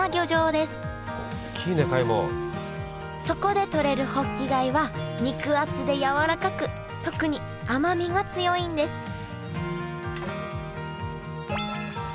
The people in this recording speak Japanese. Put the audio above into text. そこでとれるホッキ貝は肉厚でやわらかく特に甘みが強いんです